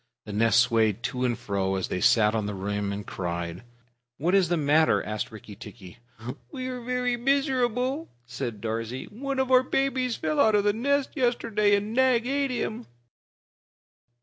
The nest swayed to and fro, as they sat on the rim and cried. "What is the matter?" asked Rikki tikki. "We are very miserable," said Darzee. "One of our babies fell out of the nest yesterday and Nag ate him."